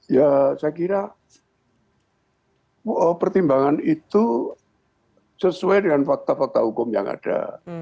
ya saya kira pertimbangan itu sesuai dengan fakta fakta hukum yang ada